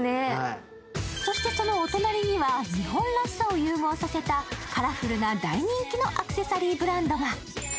そして、そのお隣には日本らしさを融合させたカラフルな大人気のアクセサリーブランドが。